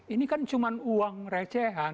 ini kan cuma uang recehan